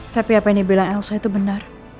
tapi apa yang dibilang elsa itu benar